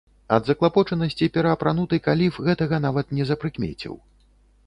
Ад заклапочанасці пераапрануты каліф гэтага нават не запрыкмеціў.